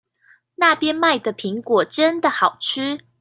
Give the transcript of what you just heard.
那邊賣的蘋果真的好吃